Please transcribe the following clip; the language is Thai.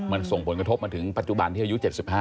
มันส่งผลกระทบมาถึงปัจจุบันที่อายุ๗๕